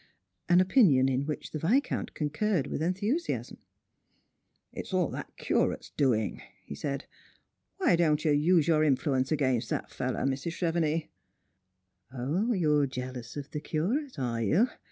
An opinion in which the Viscount con cun ed with enthusiasm. " It's all that Curate's doing," he said. " Why don't you use your influence against that fellow, Mrs. Chevenix? "" 0, you're jealous of the Curate, arc you?